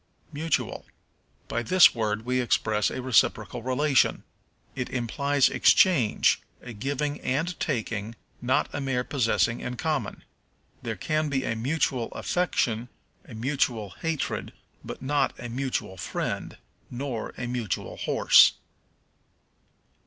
Mutual. By this word we express a reciprocal relation. It implies exchange, a giving and taking, not a mere possessing in common. There can be a mutual affection, or a mutual hatred, but not a mutual friend, nor a mutual horse.